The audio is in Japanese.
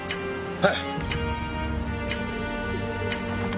はい！